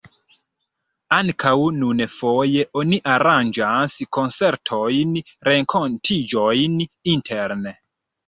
Ankaŭ nun foje oni aranĝas koncertojn, renkontiĝojn interne.